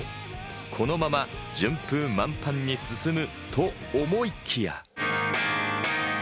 このまま順風満帆に進むと思いきや。